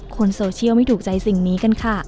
คนโซเชียลไม่ถูกใจสิ่งนี้กันค่ะ